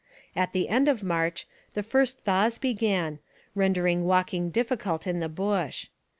At the end of March the first thaws began, rendering walking difficult in the bush.